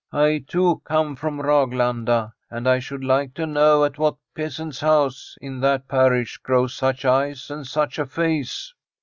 I, too, come from Raglanda, and I should like to know at what peasant's house in that parish grow such eyes and such a face.'